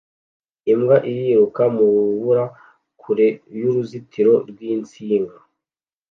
Imbwa iriruka mu rubura kure y'uruzitiro rw'insinga